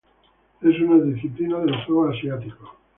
Es una disciplina de los Juegos Asiáticos.